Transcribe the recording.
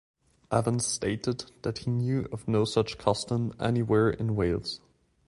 Evans stated that he knew of no such custom anywhere in Wales.